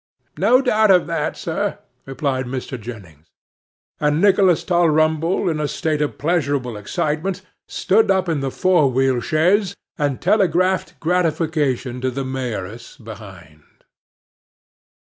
'No doubt of that, sir,' replied Mr. Jennings; and Nicholas Tulrumble, in a state of pleasurable excitement, stood up in the four wheel chaise, and telegraphed gratification to the Mayoress behind.